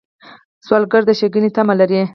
سوالګر د ښېګڼې تمه لري